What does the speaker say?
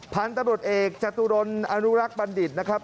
พตเจตุรนต์อนุรักษ์บัณฑิตนะครับ